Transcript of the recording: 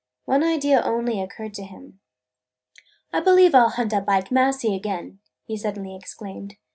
One idea only occurred to him. "I believe I 'll hunt up Ike Massey again!" he suddenly exclaimed.